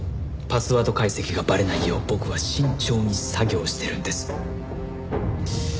パスワード解析がバレないよう僕は慎重に作業してるんです。